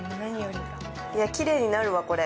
いや、きれいになるわ、これ。